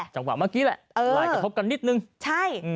จังหวะเมื่อกี้แหละไลน์กระทบกันนิดนึงใช่